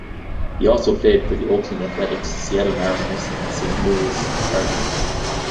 He has also played for the Oakland Athletics, Seattle Mariners, and Saint Louis Cardinals.